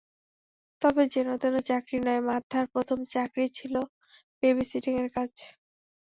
তবে যেনতেন চাকরি নয়, মার্থার প্রথম চাকরিই ছিল বেবি সিটিংয়ের কাজ।